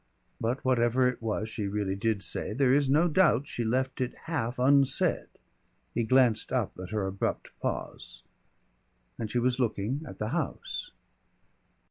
But whatever it was she really did say, there is no doubt she left it half unsaid. He glanced up at her abrupt pause, and she was looking at the house.